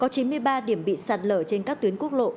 có chín mươi ba điểm bị sạt lở trên các tuyến quốc lộ